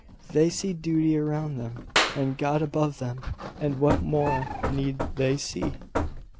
They see duty around them and God above them; and what more need they see?"